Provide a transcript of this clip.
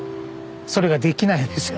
それができないんですよ